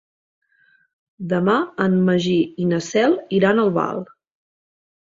Demà en Magí i na Cel iran a Albal.